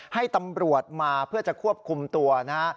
ให้ตำรวจมาเพื่อจะควบคุมตัวนะฮะ